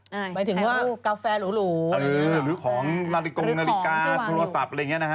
หมายถึงว่ากาแฟหรูหรือของนาฬิกองนาฬิกาโทรศัพท์